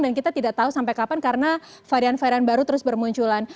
dan kita tidak tahu sampai kapan karena varian varian baru terus bermunculan